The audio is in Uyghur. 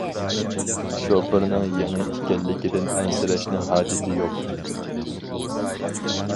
شوپۇرنىڭ يېڭى ئىكەنلىكىدىن ئەنسىرەشنىڭ ھاجىتى يوق.